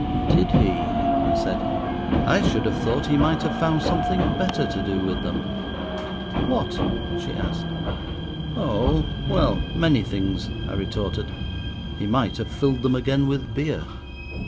did he?" I said; "I should have thought he might have found something better to do with them." "What?" she asked. "Oh! well, many things," I retorted. "He might have filled them again with beer."